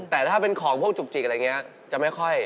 แต่ถ้าเป็นของพวกจุกจิกอะไรอย่างนี้จะไม่ค่อย